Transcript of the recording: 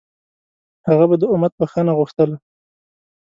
هغه به د امت بښنه غوښتله.